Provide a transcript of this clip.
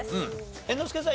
猿之助さん